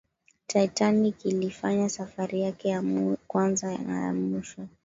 titanic ilifanya safari yake ya kwanza na ya mwisho